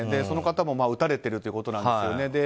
その方も撃たれてるということなんですね。